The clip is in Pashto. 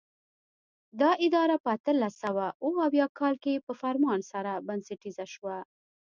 دا اداره په اتلس سوه اوه اویا کال کې په فرمان سره بنسټیزه شوه.